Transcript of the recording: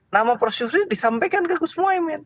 nama prof yusril disampaikan ke gus muhaymin